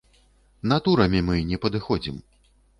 Натурамі мы не падыходзім.